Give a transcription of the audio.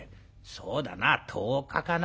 「そうだな１０日かな」。